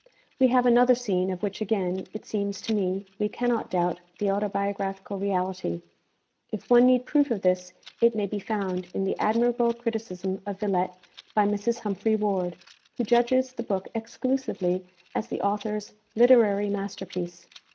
We have another scene of which again, it seems to me, we cannot doubt the autobiographical reality. If one need proof of this, it may be found in the admirable criticism of Villette by Mrs. Humphry Ward, who judges the book exclusively as the author's literary masterpiece.